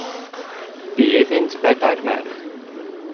Bu iddynt bedair merch.